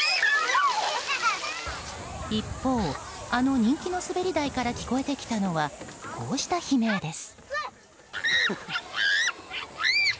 一方、あの人気の滑り台から聞こえてきたのはこうした悲鳴です。